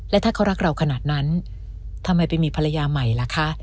และถ้าเขารักเราขนาดนั้นทำไมไปมีภรรยาใหม่ล่ะคะ